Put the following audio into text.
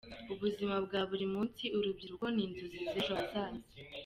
Ubuzima bwa buri munsi, Urubyiruko n’inzozi z‘ejo hazaza”.